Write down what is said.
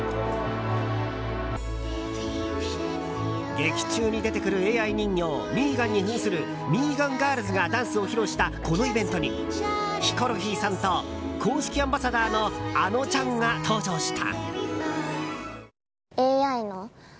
劇中に出てくるＡＩ人形ミーガンに扮するミーガンガールズがダンスを披露したこのイベントにヒコロヒーさんと公式アンバサダーのあのちゃんが登場した。